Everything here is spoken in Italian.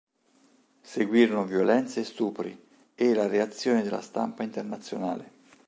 Seguirono violenze e stupri, e la reazione della stampa internazionale.